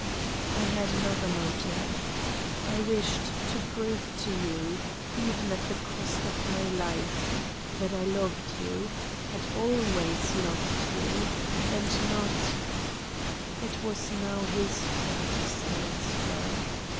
"I had another motive. I wished to prove to you, even at the cost of my life, that I loved you, had always loved you, and not——" It was now his turn to silence her.